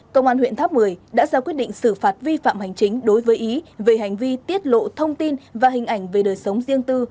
công an huyện tháp một mươi đã ra quyết định xử phạt vi phạm hành chính đối với ý về hành vi tiết lộ thông tin và hình ảnh về đời sống riêng tư